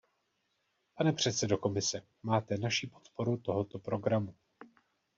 Pane předsedo Komise, máte naši podporu tohoto programu.